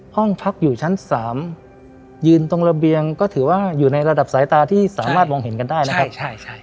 ห้องพักอยู่ชั้น๓ยืนตรงระเบียงก็ถือว่าอยู่ในระดับสายตาที่สามารถมองเห็นกันได้นะครับ